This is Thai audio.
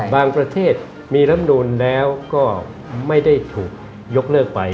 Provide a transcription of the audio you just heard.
ประเทศมีลำนูนแล้วก็ไม่ได้ถูกยกเลิกไป